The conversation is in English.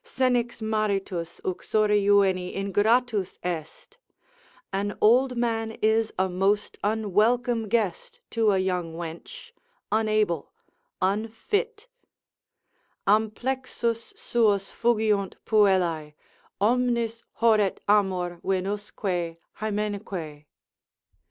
Senex maritus uxori juveni ingratus est, an old man is a most unwelcome guest to a young wench, unable, unfit: Amplexus suos fugiunt puellae, Omnis horret amor Venusque Hymenque.